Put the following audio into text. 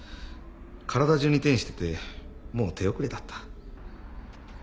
体中に転移しててもう手遅れだった。